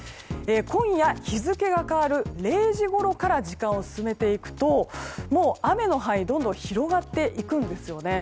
今夜、日付が変わる０時ごろから時間を進めていくと、雨の範囲はどんどん広がっていくんですね。